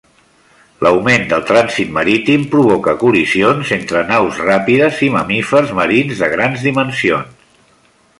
L'augment del trànsit marítim provoca col·lisions entre naus ràpides i mamífers marins de grans dimensions.